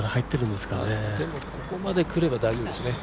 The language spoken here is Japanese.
でも、ここまでくれば大丈夫ですね。